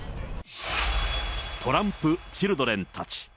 トランプ・チルドレンたち。